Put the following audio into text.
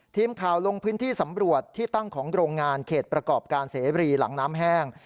ทีมข่าวลงพื้นที่สำรวจที่ตั้งของโรงงานเขตประกอบการเสบรีหลังน้ำแห้ง